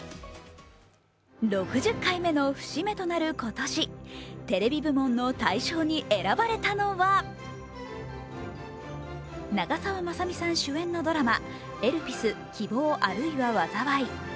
６０回目の節目となる今年、テレビ部門の対象に選ばれたのは長澤まさみさん主演のドラマ「エルピス−希望、あるいは災い−」。